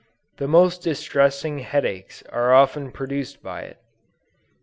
The most distressing head aches are often produced by it.